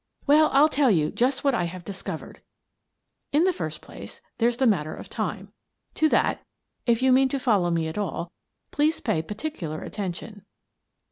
Well, I'll tell you just what I have discovered. In the first place, there's the matter of time. To that, if you mean to follow me at all, please pay particular attention."